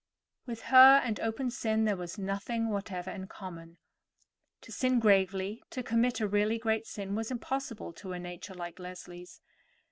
With her and open sin there was nothing whatever in common. To sin gravely, to commit a really great sin, was impossible to a nature like Leslie's.